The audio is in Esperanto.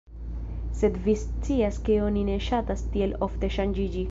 Sed vi scias ke oni ne ŝatas tiel ofte ŝanĝiĝi.